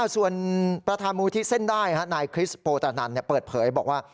ส่วนประธานมูลที่เส้นได้นายคริสโปตานันเปิดเผยบอกว่า